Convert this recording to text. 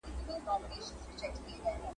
زه به د کتابتوننۍ سره خبري کړي وي